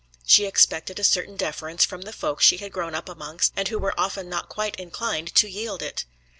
She expected a certain deference from the folk she had grown up amongst, and who were often not quite inclined to yield it.